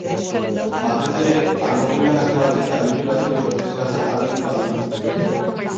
Batez ere alboko irakasle batek kalifikazio eskasak jarri baditu.